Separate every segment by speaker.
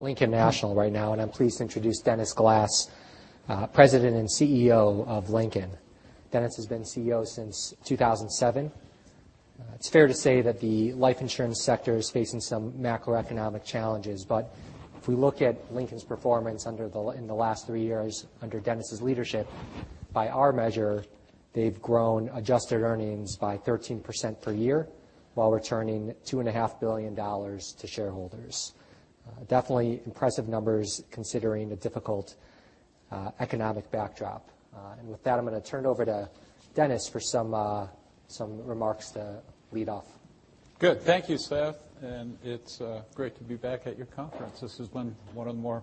Speaker 1: Lincoln National right now. I'm pleased to introduce Dennis Glass, President and CEO of Lincoln. Dennis has been CEO since 2007. It's fair to say that the life insurance sector is facing some macroeconomic challenges, but if we look at Lincoln's performance in the last three years under Dennis' leadership, by our measure, they've grown adjusted earnings by 13% per year while returning $2.5 billion to shareholders. Definitely impressive numbers considering the difficult economic backdrop. With that, I'm going to turn it over to Dennis for some remarks to lead off.
Speaker 2: Good. Thank you, Seth. It's great to be back at your conference. This has been one of the more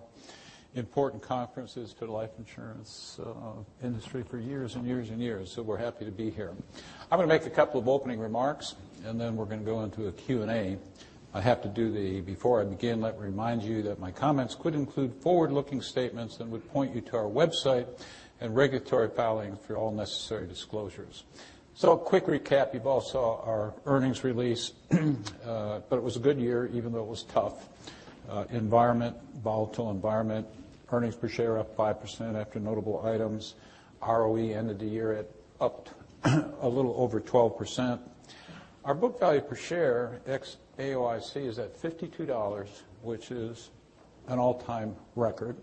Speaker 2: important conferences for the life insurance industry for years and years and years. We're happy to be here. I'm going to make a couple of opening remarks. Then we're going to go into a Q&A. I have to do the before I begin, let me remind you that my comments could include forward-looking statements and would point you to our website and regulatory filings for all necessary disclosures. A quick recap. You've all saw our earnings release, but it was a good year even though it was a tough environment, volatile environment. Earnings per share up 5% after notable items. ROE ended the year up a little over 12%. Our book value per share, ex-AOCI, is at $52, which is an all-time record.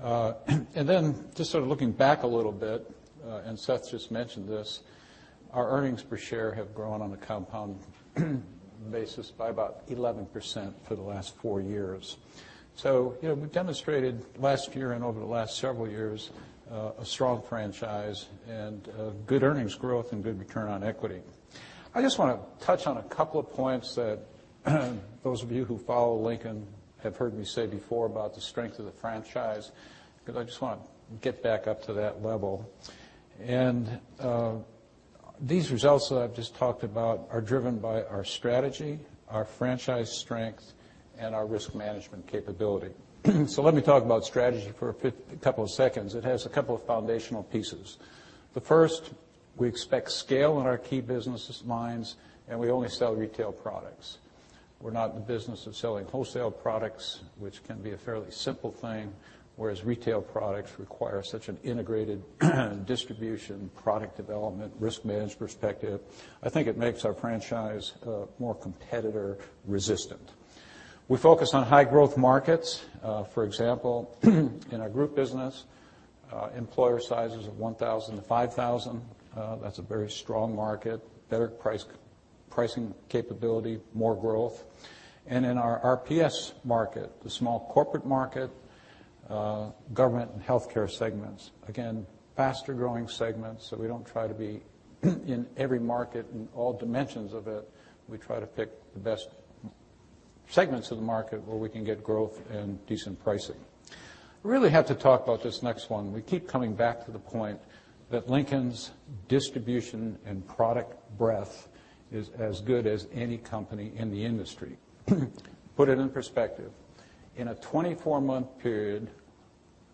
Speaker 2: Then just sort of looking back a little bit, Seth just mentioned this, our earnings per share have grown on a compound basis by about 11% for the last four years. We've demonstrated last year and over the last several years a strong franchise and good earnings growth and good return on equity. I just want to touch on a couple of points that those of you who follow Lincoln have heard me say before about the strength of the franchise, because I just want to get back up to that level. These results that I've just talked about are driven by our strategy, our franchise strength, and our risk management capability. Let me talk about strategy for a couple of seconds. It has a couple of foundational pieces. The first, we expect scale in our key business lines. We only sell retail products. We're not in the business of selling wholesale products, which can be a fairly simple thing, whereas retail products require such an integrated distribution, product development, risk management perspective. I think it makes our franchise more competitor resistant. We focus on high-growth markets. For example, in our group business, employer sizes of 1,000 to 5,000. That's a very strong market, better pricing capability, more growth. In our RPS market, the small corporate market, government and healthcare segments. Again, faster-growing segments. We don't try to be in every market in all dimensions of it. We try to pick the best segments of the market where we can get growth and decent pricing. I really have to talk about this next one. We keep coming back to the point that Lincoln's distribution and product breadth is as good as any company in the industry. Put it in perspective. In a 24-month period,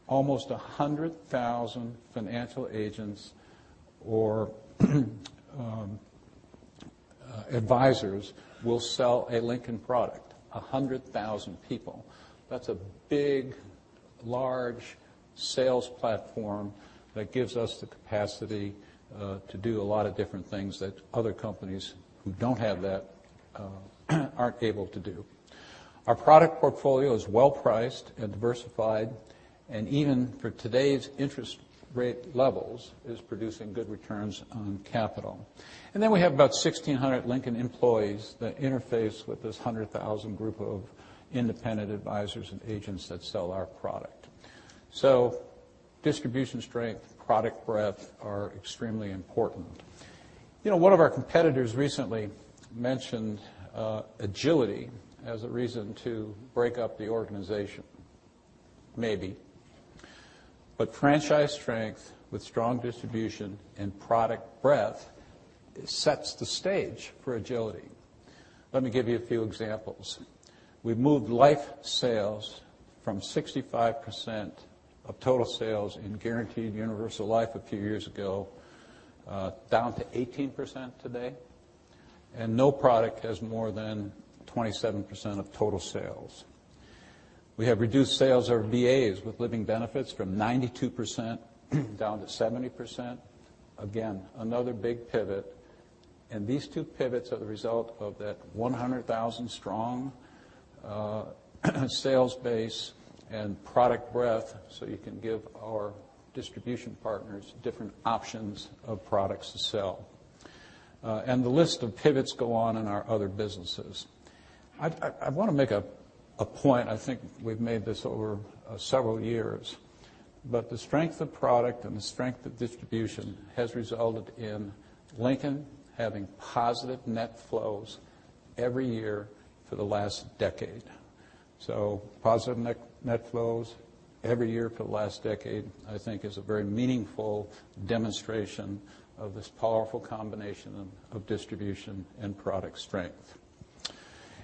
Speaker 2: almost 100,000 financial agents or advisors will sell a Lincoln product. 100,000 people. That's a big, large sales platform that gives us the capacity to do a lot of different things that other companies who don't have that aren't able to do. Our product portfolio is well-priced and diversified, and even for today's interest rate levels, is producing good returns on capital. We have about 1,600 Lincoln employees that interface with this 100,000 group of independent advisors and agents that sell our product. Distribution strength, product breadth are extremely important. One of our competitors recently mentioned agility as a reason to break up the organization. Maybe. Franchise strength with strong distribution and product breadth sets the stage for agility. Let me give you a few examples. We've moved life sales from 65% of total sales in guaranteed universal life a few years ago, down to 18% today, and no product has more than 27% of total sales. We have reduced sales of VAs with living benefits from 92% down to 70%. Again, another big pivot, these two pivots are the result of that 100,000 strong sales base and product breadth so you can give our distribution partners different options of products to sell. The list of pivots go on in our other businesses. I want to make a point. I think we've made this over several years. The strength of product and the strength of distribution has resulted in Lincoln having positive net flows every year for the last decade. Positive net flows every year for the last decade, I think is a very meaningful demonstration of this powerful combination of distribution and product strength.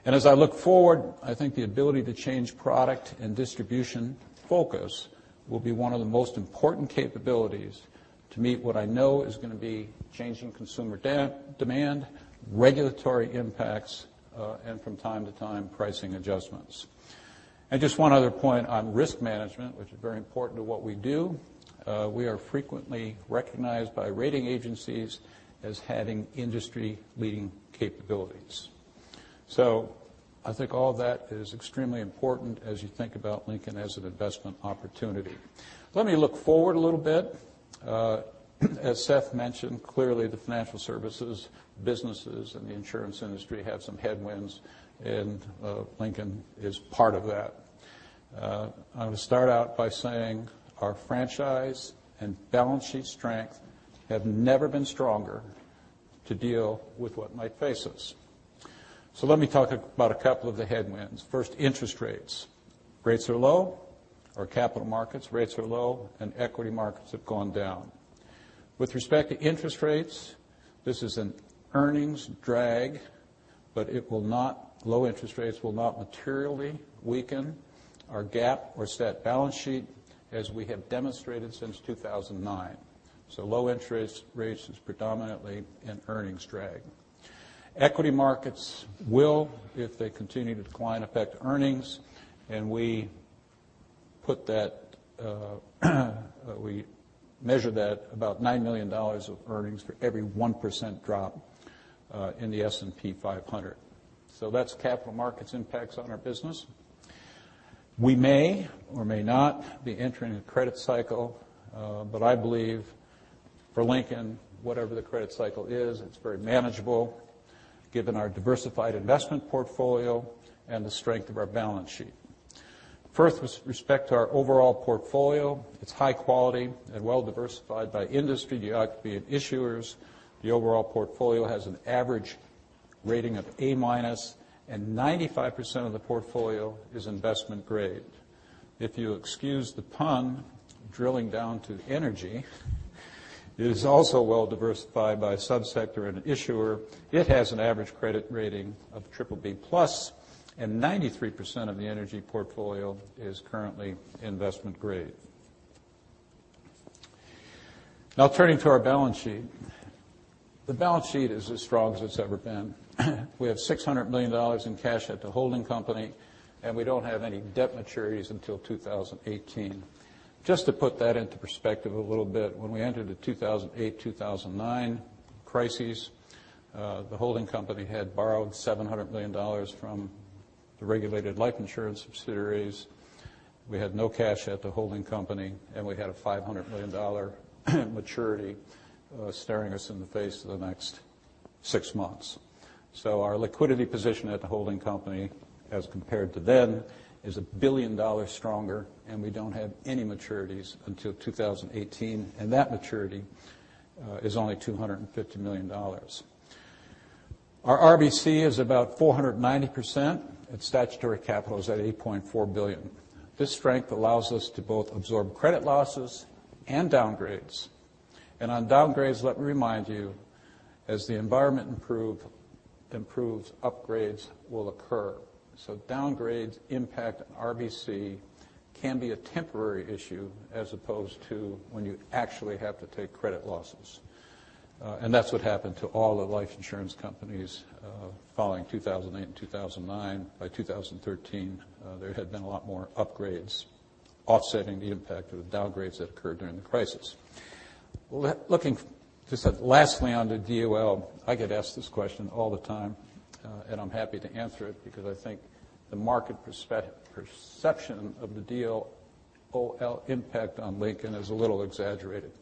Speaker 2: As I look forward, I think the ability to change product and distribution focus will be one of the most important capabilities to meet what I know is going to be changing consumer demand, regulatory impacts, and from time to time, pricing adjustments. Just one other point on risk management, which is very important to what we do. We are frequently recognized by rating agencies as having industry-leading capabilities. I think all that is extremely important as you think about Lincoln as an investment opportunity. Let me look forward a little bit. As Seth mentioned, clearly, the financial services, businesses, and the insurance industry had some headwinds, and Lincoln is part of that. I'm going to start out by saying our franchise and balance sheet strength have never been stronger to deal with what might face us. Let me talk about a couple of the headwinds. First, interest rates. Rates are low. Our capital markets rates are low, and equity markets have gone down. With respect to interest rates, this is an earnings drag, but low interest rates will not materially weaken our GAAP or stat balance sheet, as we have demonstrated since 2009. Low interest rates is predominantly an earnings drag. Equity markets will, if they continue to decline, affect earnings, and we measure that about $9 million of earnings for every 1% drop in the S&P 500. That's capital markets impacts on our business. We may or may not be entering a credit cycle, I believe for Lincoln, whatever the credit cycle is, it's very manageable given our diversified investment portfolio and the strength of our balance sheet. First, with respect to our overall portfolio, it's high quality and well-diversified by industry geography and issuers. The overall portfolio has an average rating of A-, and 95% of the portfolio is investment grade. If you excuse the pun, drilling down to energy is also well-diversified by subsector and issuer. It has an average credit rating of BBB+, and 93% of the energy portfolio is currently investment grade. Turning to our balance sheet. The balance sheet is as strong as it's ever been. We have $600 million in cash at the holding company, and we don't have any debt maturities until 2018. Just to put that into perspective a little bit, when we entered the 2008-2009 crises, the holding company had borrowed $700 million from the regulated life insurance subsidiaries. We had no cash at the holding company, and we had a $500 million maturity staring us in the face for the next six months. Our liquidity position at the holding company as compared to then is $1 billion stronger, and we don't have any maturities until 2018, and that maturity is only $250 million. Our RBC is about 490%, and statutory capital is at $8.4 billion. This strength allows us to both absorb credit losses and downgrades. On downgrades, let me remind you, as the environment improves, upgrades will occur. Downgrades impact on RBC can be a temporary issue as opposed to when you actually have to take credit losses. That's what happened to all the life insurance companies following 2008 and 2009. By 2013, there had been a lot more upgrades offsetting the impact of the downgrades that occurred during the crisis. Looking just lastly on the DOL, I get asked this question all the time, and I'm happy to answer it because I think the market perception of the DOL impact on Lincoln is a little exaggerated.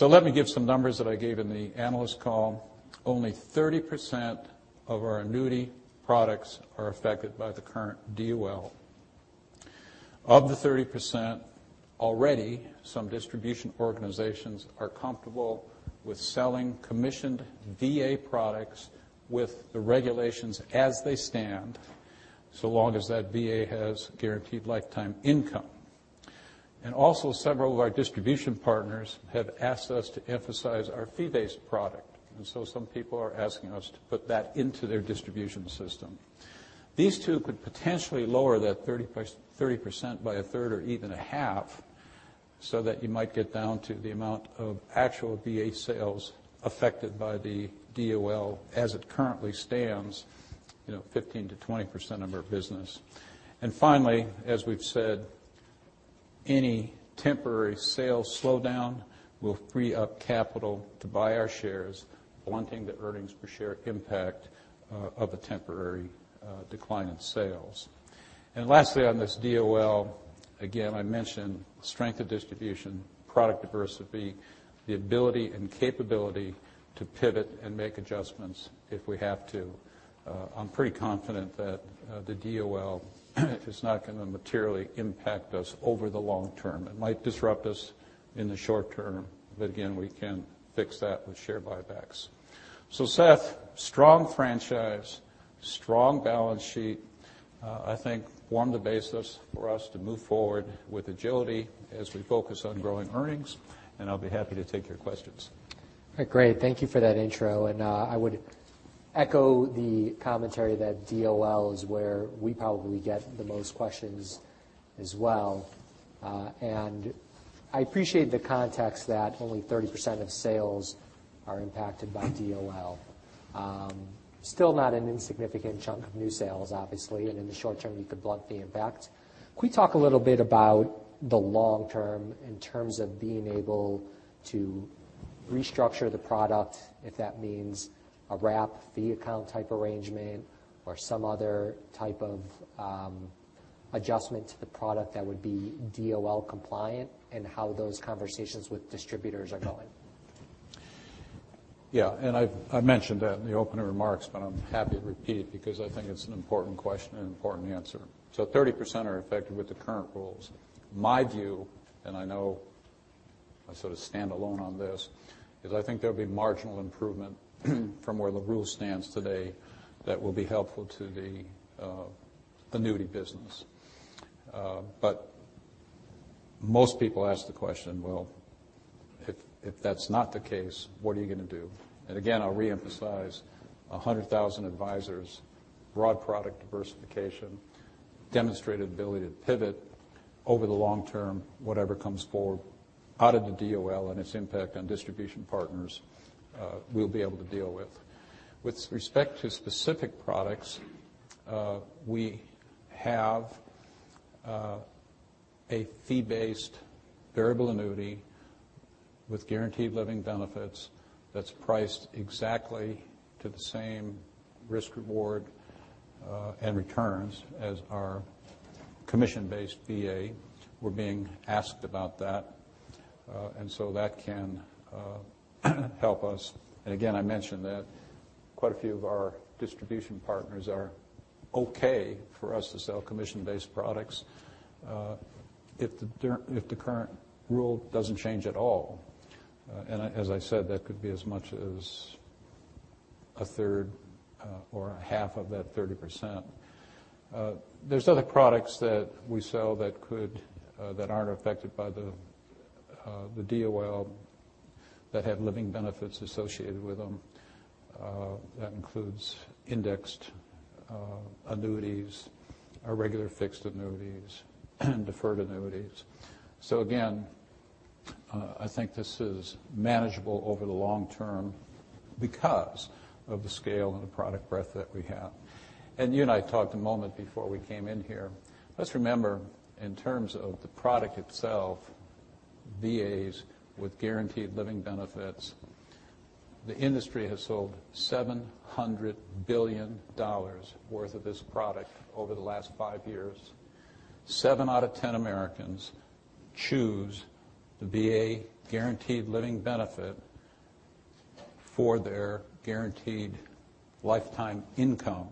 Speaker 2: Let me give some numbers that I gave in the analyst call. Only 30% of our annuity products are affected by the current DOL. Of the 30%, already some distribution organizations are comfortable with selling commissioned VA products with the regulations as they stand, so long as that VA has guaranteed lifetime income. Also, several of our distribution partners have asked us to emphasize our fee-based product, some people are asking us to put that into their distribution system. These two could potentially lower that 30% by a third or even a half, so that you might get down to the amount of actual VA sales affected by the DOL as it currently stands 15%-20% of our business. Finally, as we've said, any temporary sales slowdown will free up capital to buy our shares, blunting the earnings per share impact of a temporary decline in sales. Lastly on this DOL, again, I mentioned strength of distribution, product diversity, the ability and capability to pivot and make adjustments if we have to. I'm pretty confident that the DOL is not going to materially impact us over the long term. It might disrupt us in the short term, but again, we can fix that with share buybacks. Seth, strong franchise, strong balance sheet, I think form the basis for us to move forward with agility as we focus on growing earnings, and I'll be happy to take your questions.
Speaker 1: Great. Thank you for that intro, and I would echo the commentary that DOL is where we probably get the most questions as well. I appreciate the context that only 30% of sales are impacted by DOL. Still not an insignificant chunk of new sales, obviously, and in the short term, you could blunt the impact. Could we talk a little bit about the long term in terms of being able to restructure the product, if that means a wrap fee account type arrangement or some other type of adjustment to the product that would be DOL compliant, and how those conversations with distributors are going?
Speaker 2: Yeah. I mentioned that in the opening remarks, but I'm happy to repeat it because I think it's an important question and an important answer. 30% are affected with the current rules. My view, and I know I sort of stand alone on this, is I think there'll be marginal improvement from where the rule stands today that will be helpful to the annuity business. Most people ask the question, well, if that's not the case, what are you going to do? Again, I'll reemphasize 100,000 advisors, broad product diversification, demonstrated ability to pivot over the long term, whatever comes forward out of the DOL and its impact on distribution partners, we'll be able to deal with. With respect to specific products, we have a fee-based variable annuity with guaranteed living benefits that's priced exactly to the same risk reward, and returns as our commission-based VA. We're being asked about that, so that can help us. Again, I mentioned that quite a few of our distribution partners are okay for us to sell commission-based products, if the current rule doesn't change at all. As I said, that could be as much as a third or a half of that 30%. There's other products that we sell that aren't affected by the DOL that have living benefits associated with them. That includes indexed annuities, our regular fixed annuities, deferred annuities. Again, I think this is manageable over the long term because of the scale and the product breadth that we have. You and I talked a moment before we came in here. Let's remember, in terms of the product itself, VAs with guaranteed living benefits, the industry has sold $700 billion worth of this product over the last five years. Seven out of 10 Americans choose the VA guaranteed living benefit for their guaranteed lifetime income.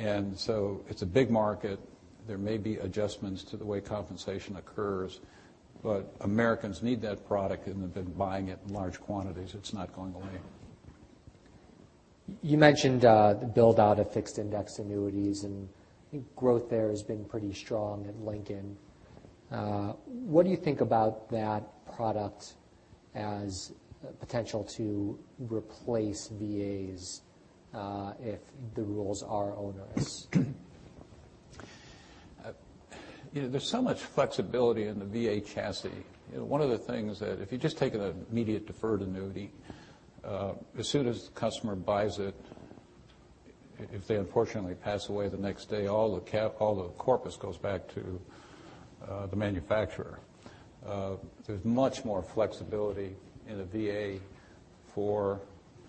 Speaker 2: It's a big market. There may be adjustments to the way compensation occurs, Americans need that product and have been buying it in large quantities. It's not going away.
Speaker 1: You mentioned the build-out of indexed annuities. I think growth there has been pretty strong at Lincoln. What do you think about that product as potential to replace VAs if the rules are onerous?
Speaker 2: There's so much flexibility in the VA chassis. One of the things that if you just take an immediate deferred annuity, as soon as the customer buys it, if they unfortunately pass away the next day, all the corpus goes back to the manufacturer. There's much more flexibility in a VA for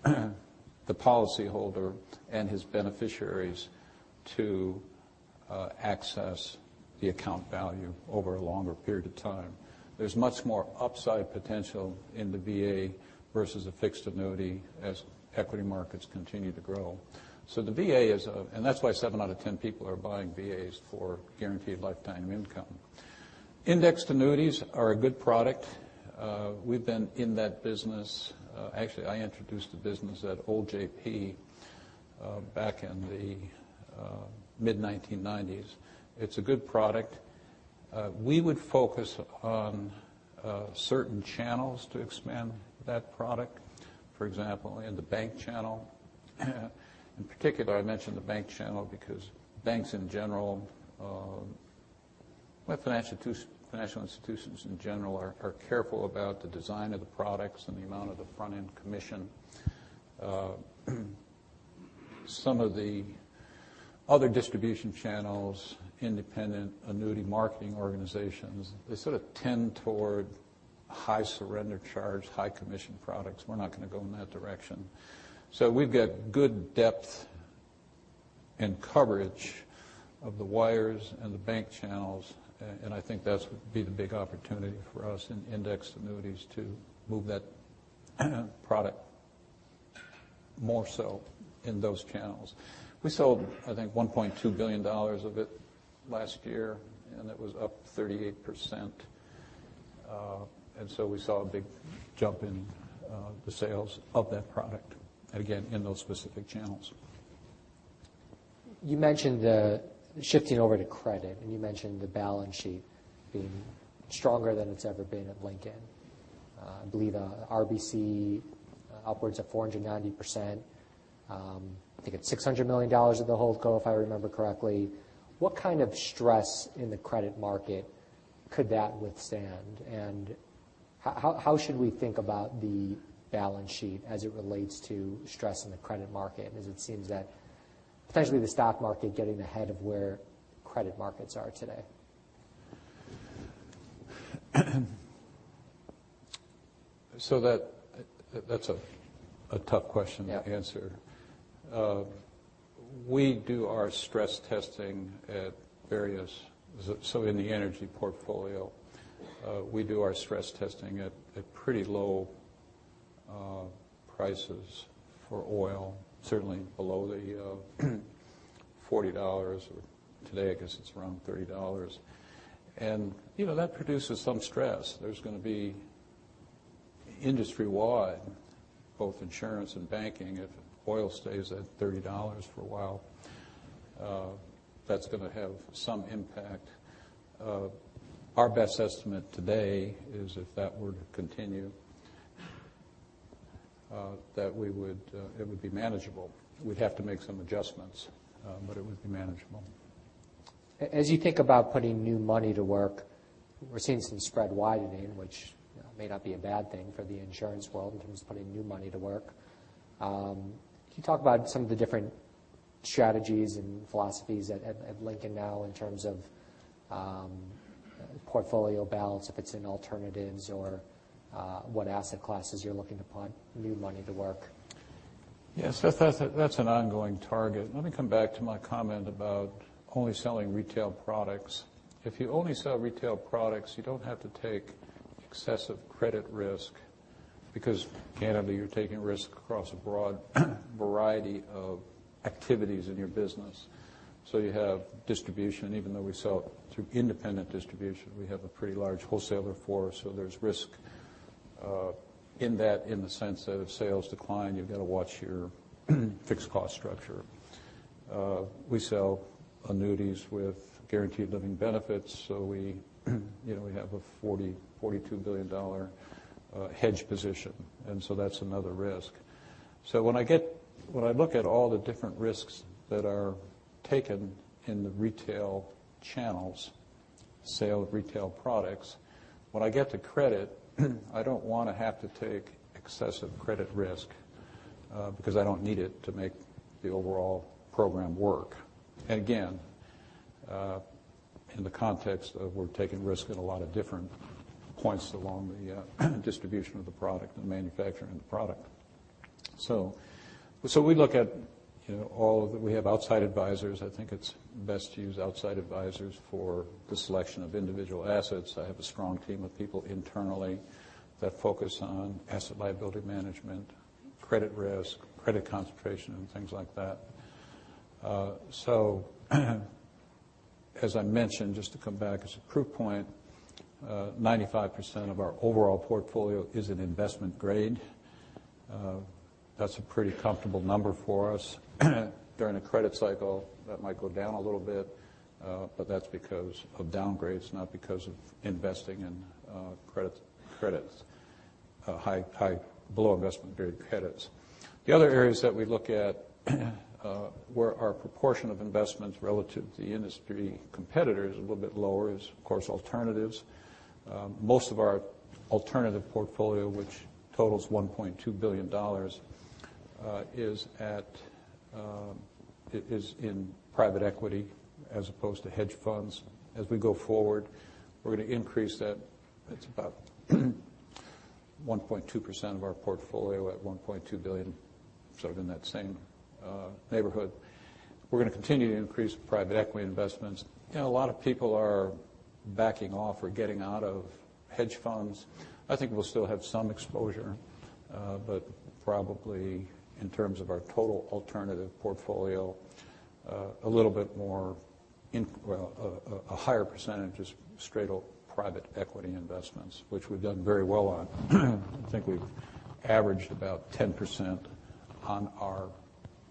Speaker 2: the policyholder and his beneficiaries to access the account value over a longer period of time. There's much more upside potential in the VA versus a fixed annuity as equity markets continue to grow. That's why 7 out of 10 people are buying VAs for guaranteed lifetime income. indexed annuities are a good product. We've been in that business. Actually, I introduced the business at old JP back in the mid 1990s. It's a good product. We would focus on certain channels to expand that product. For example, in the bank channel. In particular, I mentioned the bank channel because banks in general, financial institutions in general, are careful about the design of the products and the amount of the front-end commission. Some of the other distribution channels, independent annuity marketing organizations, they sort of tend toward high surrender charge, high commission products. We're not going to go in that direction. We've got good depth and coverage of the wires and the bank channels. I think that would be the big opportunity for us in indexed annuities to move that product more so in those channels. We sold, I think, $1.2 billion of it last year, and it was up 38%. We saw a big jump in the sales of that product, and again, in those specific channels.
Speaker 1: You mentioned shifting over to credit, you mentioned the balance sheet being stronger than it's ever been at Lincoln. I believe RBC upwards of 490%. I think it's $600 million of the holdco, if I remember correctly. What kind of stress in the credit market could that withstand? How should we think about the balance sheet as it relates to stress in the credit market, as it seems that potentially the stock market getting ahead of where credit markets are today?
Speaker 2: That's a tough question-
Speaker 1: Yeah
Speaker 2: to answer. We do our stress testing in the energy portfolio, we do our stress testing at pretty low prices for oil, certainly below the $40, or today, I guess it's around $30. That produces some stress. There's going to be industry-wide, both insurance and banking, if oil stays at $30 for a while, that's going to have some impact. Our best estimate today is if that were to continue, that it would be manageable. We'd have to make some adjustments, but it would be manageable.
Speaker 1: As you think about putting new money to work, we're seeing some spread widening, which may not be a bad thing for the insurance world in terms of putting new money to work. Can you talk about some of the different strategies and philosophies at Lincoln now in terms of portfolio balance, if it's in alternatives or what asset classes you're looking to put new money to work?
Speaker 2: Yes, that's an ongoing target. Let me come back to my comment about only selling retail products. If you only sell retail products, you don't have to take excessive credit risk because candidly, you're taking risk across a broad variety of activities in your business. You have distribution, even though we sell through independent distribution, we have a pretty large wholesaler force, there's risk in that in the sense that if sales decline, you've got to watch your fixed cost structure. We sell annuities with guaranteed living benefits, we have a $42 billion hedge position, that's another risk. When I look at all the different risks that are taken in the retail channels, sale of retail products, when I get to credit, I don't want to have to take excessive credit risk, because I don't need it to make the overall program work. Again, in the context of we're taking risk at a lot of different points along the distribution of the product, the manufacturing of the product. We look at all of that. We have outside advisors. I think it's best to use outside advisors for the selection of individual assets. I have a strong team of people internally that focus on asset liability management, credit risk, credit concentration, and things like that. As I mentioned, just to come back as a proof point, 95% of our overall portfolio is in investment grade. That's a pretty comfortable number for us. During a credit cycle, that might go down a little bit, but that's because of downgrades, not because of investing in credits, below investment-grade credits. The other areas that we look at, where our proportion of investments relative to the industry competitor is a little bit lower is, of course, alternatives. Most of our alternative portfolio, which totals $1.2 billion, is in private equity as opposed to hedge funds. We go forward, we're going to increase that. It's about 1.2% of our portfolio at $1.2 billion, in that same neighborhood. We're going to continue to increase private equity investments. A lot of people are backing off or getting out of hedge funds. I think we'll still have some exposure, but probably in terms of our total alternative portfolio, a little bit more, a higher percentage is straight up private equity investments, which we've done very well on. I think we've averaged about 10%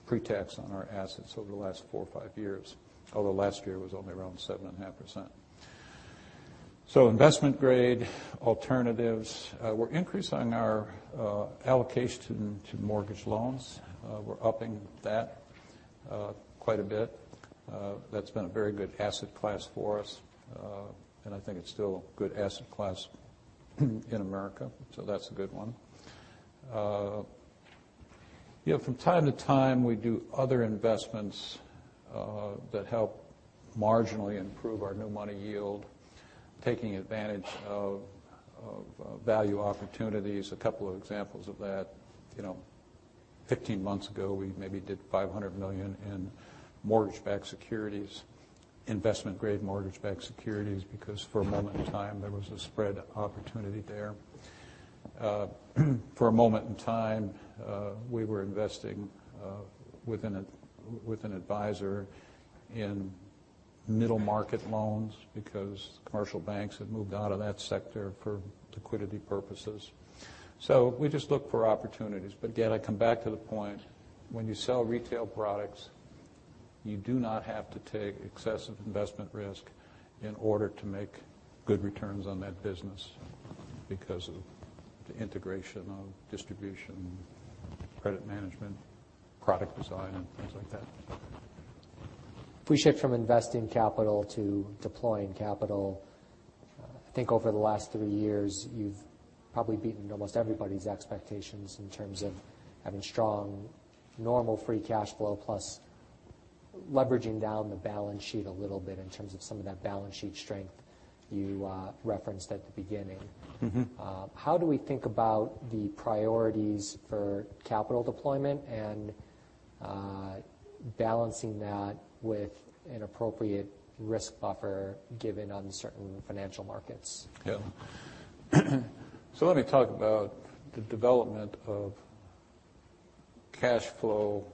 Speaker 2: pre-tax on our assets over the last 4 or 5 years, although last year was only around 7.5%. Investment grade alternatives. We're increasing our allocation to mortgage loans. We're upping that quite a bit. That's been a very good asset class for us. I think it's still a good asset class in America, that's a good one. From time to time, we do other investments that help marginally improve our new money yield, taking advantage of value opportunities. A couple of examples of that, 15 months ago, we maybe did $500 million in mortgage-backed securities, investment-grade mortgage-backed securities, because for a moment in time, there was a spread opportunity there. For a moment in time, we were investing with an advisor in middle market loans because commercial banks had moved out of that sector for liquidity purposes. We just look for opportunities. Again, I come back to the point, when you sell retail products. You do not have to take excessive investment risk in order to make good returns on that business because of the integration of distribution, credit management, product design, and things like that.
Speaker 1: If we shift from investing capital to deploying capital, I think over the last three years, you've probably beaten almost everybody's expectations in terms of having strong, normal free cash flow plus leveraging down the balance sheet a little bit in terms of some of that balance sheet strength you referenced at the beginning. How do we think about the priorities for capital deployment and balancing that with an appropriate risk buffer given uncertain financial markets?
Speaker 2: Yeah. Let me talk about the development of cash flow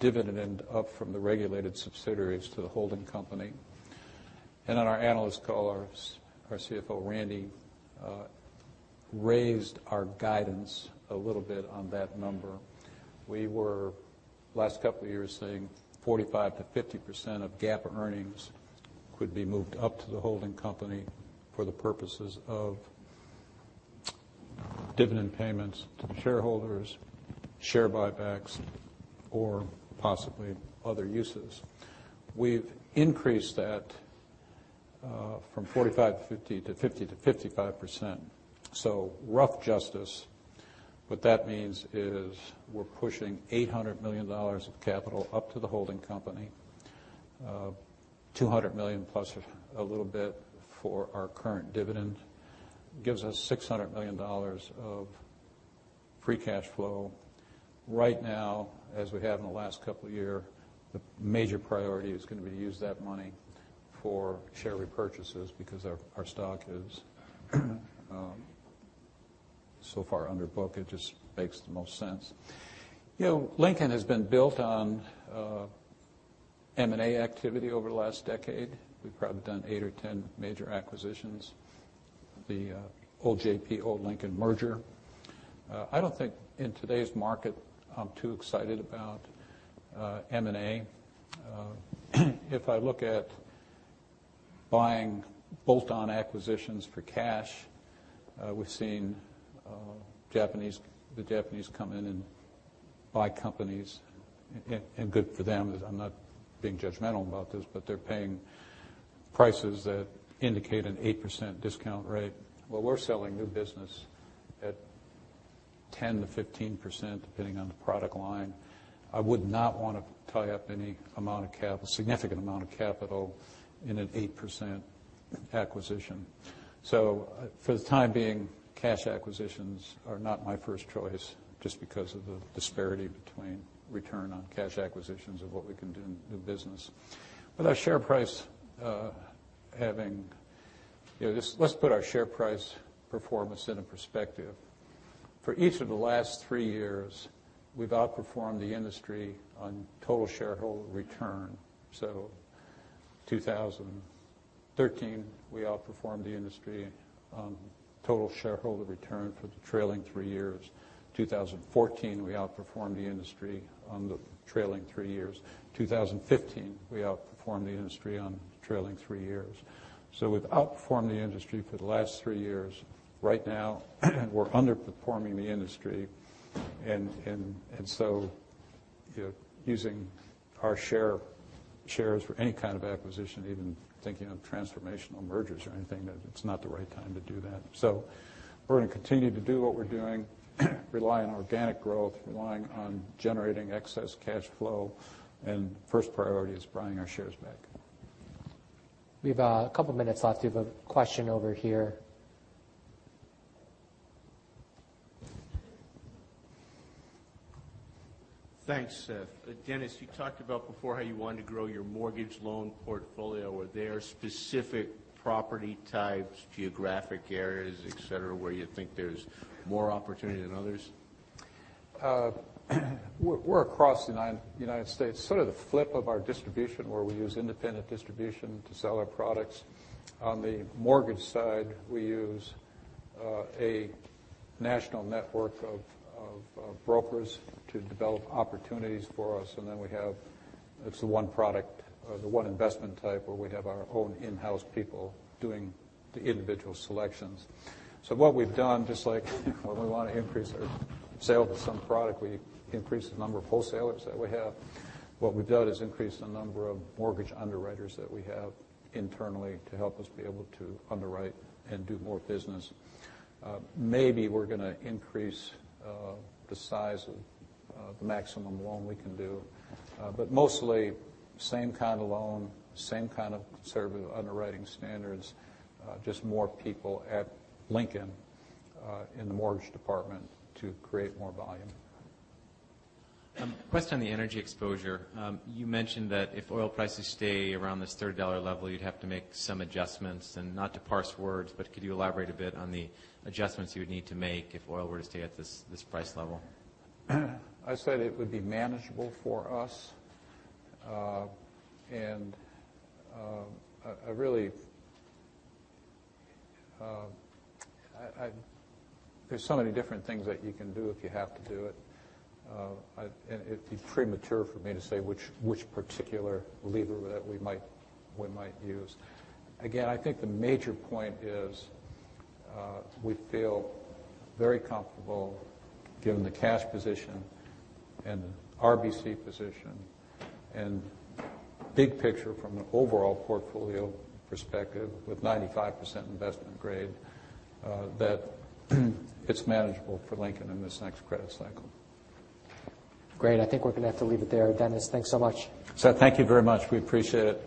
Speaker 2: dividend up from the regulated subsidiaries to the holding company. On our analyst call, our CFO, Randy, raised our guidance a little bit on that number. We were, last couple of years, saying 45%-50% of GAAP earnings could be moved up to the holding company for the purposes of dividend payments to shareholders, share buybacks, or possibly other uses. We've increased that from 45%-50% to 50%-55%. Rough justice, what that means is we're pushing $800 million of capital up to the holding company. $200 million plus a little bit for our current dividend. Gives us $600 million of free cash flow. Right now, as we have in the last couple of year, the major priority is going to be to use that money for share repurchases because our stock is so far under book, it just makes the most sense. Lincoln has been built on M&A activity over the last decade. We've probably done 8 or 10 major acquisitions. The old JP, old Lincoln merger. I don't think in today's market, I'm too excited about M&A. If I look at buying bolt-on acquisitions for cash, we've seen the Japanese come in and buy companies, and good for them. I'm not being judgmental about this, but they're paying prices that indicate an 8% discount rate, while we're selling new business at 10%-15%, depending on the product line. I would not want to tie up any significant amount of capital in an 8% acquisition. For the time being, cash acquisitions are not my first choice, just because of the disparity between return on cash acquisitions of what we can do in new business. With our share price having Let's put our share price performance in a perspective. For each of the last three years, we've outperformed the industry on total shareholder return. 2013, we outperformed the industry on total shareholder return for the trailing three years. 2014, we outperformed the industry on the trailing three years. 2015, we outperformed the industry on the trailing three years. We've outperformed the industry for the last three years. Right now, we're underperforming the industry. Using our shares for any kind of acquisition, even thinking of transformational mergers or anything, it's not the right time to do that. We're going to continue to do what we're doing, rely on organic growth, relying on generating excess cash flow, and first priority is buying our shares back.
Speaker 1: We've a couple of minutes left. We have a question over here.
Speaker 3: Thanks, Seth. Dennis, you talked about before how you wanted to grow your mortgage loan portfolio. Were there specific property types, geographic areas, et cetera, where you think there's more opportunity than others?
Speaker 2: We're across the U.S., sort of the flip of our distribution, where we use independent distribution to sell our products. On the mortgage side, we use a national network of brokers to develop opportunities for us. It's the one product or the type 1 investment where we have our own in-house people doing the individual selections. What we've done, just like when we want to increase our sales of some product, we increase the number of wholesalers that we have. What we've done is increased the number of mortgage underwriters that we have internally to help us be able to underwrite and do more business. Maybe we're going to increase the size of the maximum loan we can do. Mostly, same kind of loan, same kind of conservative underwriting standards, just more people at Lincoln, in the mortgage department to create more volume.
Speaker 3: A question on the energy exposure. You mentioned that if oil prices stay around this $30 level, you'd have to make some adjustments. Not to parse words, but could you elaborate a bit on the adjustments you would need to make if oil were to stay at this price level?
Speaker 2: I said it would be manageable for us. There's so many different things that you can do if you have to do it. It'd be premature for me to say which particular lever that we might use. Again, I think the major point is, we feel very comfortable given the cash position and RBC position and big picture from an overall portfolio perspective with 95% investment grade, that it's manageable for Lincoln in this next credit cycle.
Speaker 1: Great. I think we're going to have to leave it there. Dennis, thanks so much.
Speaker 2: Seth, thank you very much. We appreciate it.